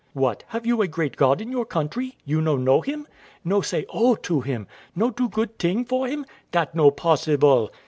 Wife. What, have you a great God in your country, you no know Him? No say O to Him? No do good ting for Him? That no possible.